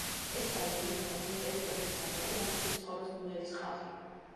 ეს რაიონი ითვლება იმ ტერიტორიის ცენტრად, რომელშიც ცხოვრობს ნუერის ხალხი.